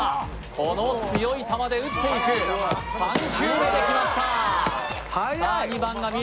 この強い球で打っていく、３球目できました。